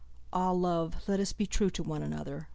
Ah, love, let us be trueTo one another!